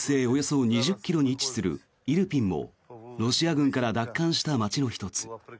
およそ２０ｋｍに位置するイルピンもロシア軍から奪還した街の１つ。